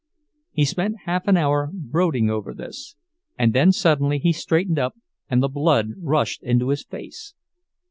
He spent half an hour brooding over this—and then suddenly he straightened up and the blood rushed into his face.